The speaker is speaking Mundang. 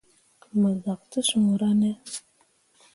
Mo zak te suura ne.